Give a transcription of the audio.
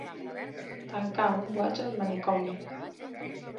Tancar un boig al manicomi.